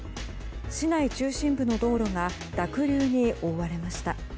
市内中心部の道路が濁流に覆われました。